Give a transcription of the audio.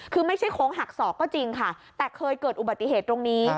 คือไม่ใช่โค้งหักศอกก็จริงค่ะแต่เคยเกิดอุบัติเหตุตรงนี้